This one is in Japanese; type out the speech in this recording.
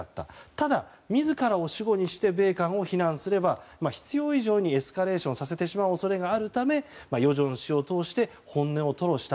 ただ、自らを主語にして米韓を非難すれば必要以上にエスカレーションさせてしまう恐れがあるため与正氏を通して本音を吐露した。